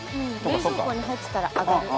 冷蔵庫に入ってたら上がる。